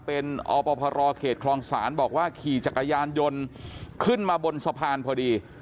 เป็นอพรเขตคลองศาลบอกว่าขี่จักรยานยนต์ขึ้นมาบนสะพานพอดี